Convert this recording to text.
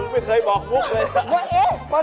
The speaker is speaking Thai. มึงไม่เคยบอกพวกเลย